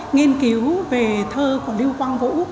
nghiên cứu về thơ của lưu quang vũ